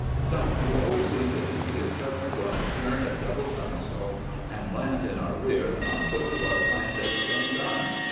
Some of you always seem to think he is suddenly going to turn a double somersault, and land in our rear and on both of our flanks at the same time.